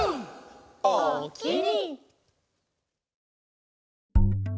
「おおきに」